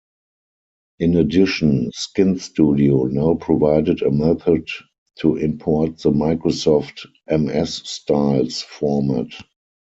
In addition, SkinStudio now provided a method to import the Microsoft "msstyles" format.